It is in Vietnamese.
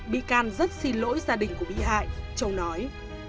bị can rất xin lỗi gia đình của bị hại châu nói